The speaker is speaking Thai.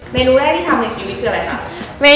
เมนูแรกที่ทำในชีวิตคืออะไรคะ